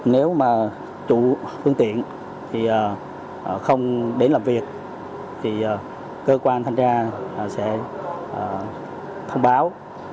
nếu mà chủ phương tiện thì không đến làm việc thì cơ quan thanh tra sẽ thông báo